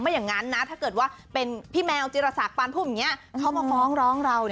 ไม่อย่างนั้นถ้าเกิดว่าเป็นพี่แมวน์จิรษะบานภูมิเขามองร้องเรา